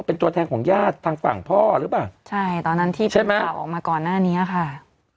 เป็นตัวแทนของญาติทางฝั่งพ่อหรือเปล่าใช่ตอนนั้นที่ใช่ไหมข่าวออกมาก่อนหน้านี้ค่ะ